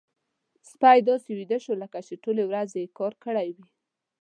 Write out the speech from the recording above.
سپی داسې ویده شو لکه چې ټولې ورځې يې کار کړی وي.